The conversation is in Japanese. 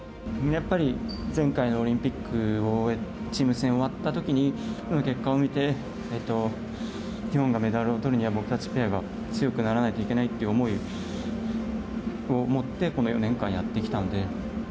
やっぱり前回のオリンピックのチーム戦が終わったときに、結果を見て、日本がメダルをとるには、僕たちペアが強くならなきゃならないっていう思いを持って、この４年間やってきたんで。